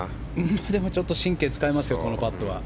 でもちょっと神経使いますよ、このショット。